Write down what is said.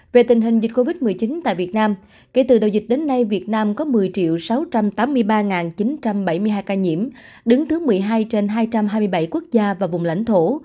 về tình hình dịch covid một mươi chín tại việt nam kể từ đầu dịch đến nay việt nam có một mươi sáu trăm tám mươi ba chín trăm bảy mươi hai ca nhiễm đứng thứ một mươi hai trên hai trăm hai mươi bảy quốc gia và vùng lãnh thổ